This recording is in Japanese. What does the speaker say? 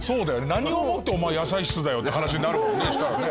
何をもってお前野菜室だよって話になるもんねそしたらね。